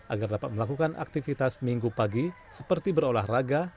agar dapat melakukan aktivitas minggu pagi seperti berolahraga